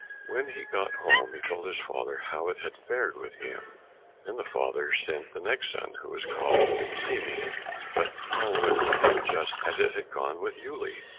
When he got home he told his father how it had fared with him. Then the father sent the next son, who was called Seame, but all went with him just as it had gone with Uele.